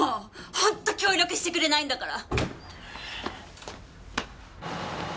本当協力してくれないんだから。